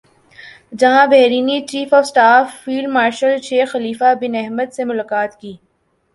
جہاں بحرینی chief of staff field marshal Sheikh Khalifa bin Ahmed سے ملاقات کی